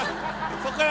そっから。